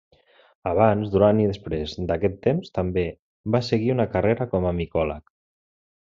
Abans, durant i després d'aquest temps també va seguir una carrera com a micòleg.